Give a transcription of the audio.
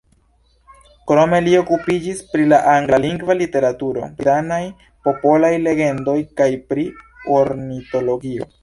Krome li okupiĝis pri la anglalingva literaturo, pri danaj popolaj legendoj kaj pri ornitologio.